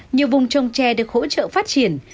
nhiều vùng trồng tre được hỗ trợ phát triển